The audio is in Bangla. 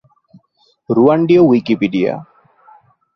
রুয়ান্ডীয় উইকিপিডিয়া